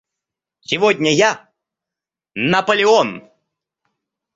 Сегодня я – Наполеон!